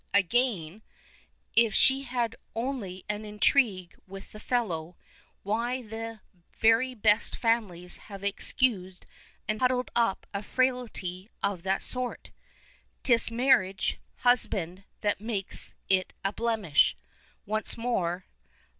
Again, " If she had only an intrigue with the fellow, why the very best families have cxcus'd and huddled up a frailty of that sort. 'Tis marriage, husband, that makes it a blemish." Once more.